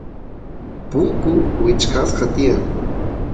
punku wichqasqa tiyan